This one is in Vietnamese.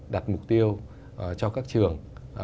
đặt mục tiêu cho các trường